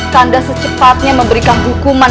kanda secepatnya memberikan hukuman